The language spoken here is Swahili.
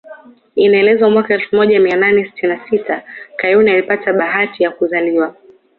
Inaelezwa mwaka elfu moja mia nane sitini na sita Kayuni alipata bahati ya kuzaliwa